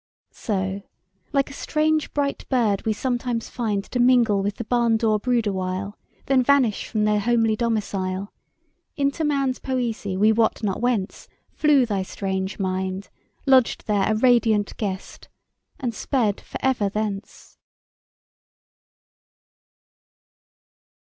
So, like a strange bright bird we sometimes find To mingle with the barn door brood awhile, Then vanish from their homely domicile— Into man's poesy, we wot not whence, Flew thy strange mind, Lodged there a radiant guest, and sped for ever thence.